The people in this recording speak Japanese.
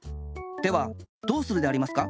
ではどうするでありますか？